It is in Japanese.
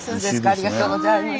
ありがとうございます。